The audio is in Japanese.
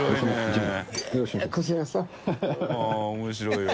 △面白いわ。